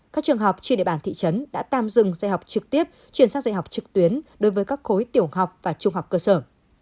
các trường học trên địa bàn thị trấn đã tạm dừng dạy học trực tiếp chuyển sang dạy học trực tuyến đối với các khối tiểu học và trung học cơ sở